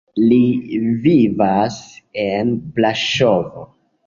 Li vivas en Braŝovo.